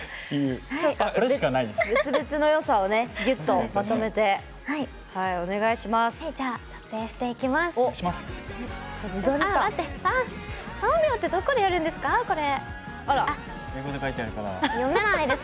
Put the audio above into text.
別々のよさをぎゅっと、まとめてお願いします。